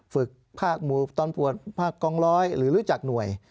ฝึกภาคหมู่ตอนปวดภาคกองร้อยหรือรู้จักหน่วย